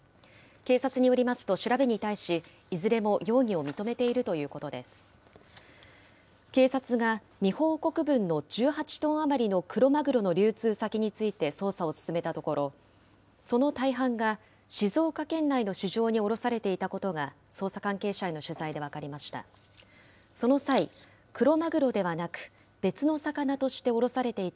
警察が未報告分の１８トン余りのクロマグロの流通先について捜査を進めたところ、その大半が静岡県内の市場に卸されていたことが捜査関係者への取材で分かりました。